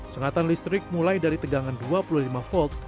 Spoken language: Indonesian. sengatan listrik mulai dari tegangan dua puluh lima volt